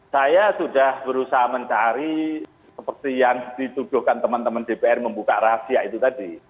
saya sudah berusaha mencari seperti yang dituduhkan teman teman dpr membuka rahasia itu tadi